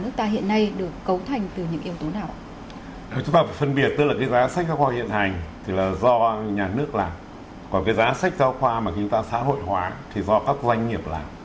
chúng ta phải phân biệt giá sách giáo khoa hiện hành là do nhà nước làm giá sách giáo khoa mà chúng ta xã hội hóa thì do các doanh nghiệp làm